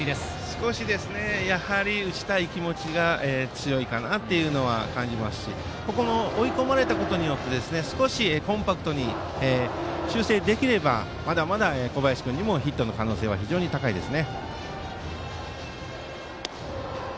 少し打ちたい気持ちが強いかなというのは感じますし追い込まれたことでコンパクトに修正できればまだまだ小林君にもヒットの可能性は非常に高いです。